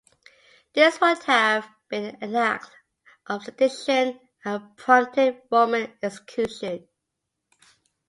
This would have been an act of sedition and prompted Roman execution.